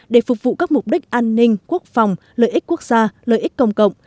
để phục vụ các mục đích an ninh quốc phòng lợi ích quốc gia lợi ích công cộng